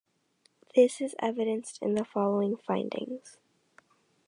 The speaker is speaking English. This is evidenced in the following findings.